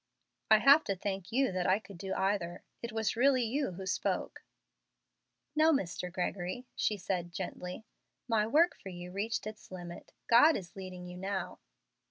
"I have to thank you that I could do either. It was really you who spoke." "No, Mr. Gregory," she said, gently, "my work for you reached its limit. God is leading you now."